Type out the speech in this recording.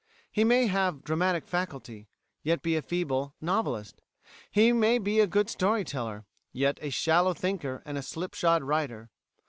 He may have dramatic faculty, yet be a feeble novelist. He may be a good story teller, yet a shallow thinker and a slip shod writer.